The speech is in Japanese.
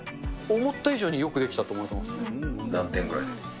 思った以上によくできたと思何点ぐらい？